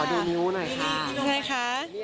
ขอดูนิ้วหน่อยค่ะ